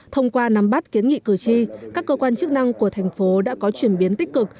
thông qua nắm bắt kiến nghị cử tri các cơ quan chức năng của thành phố đã có chuyển biến tích cực